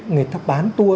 người thấp bán tour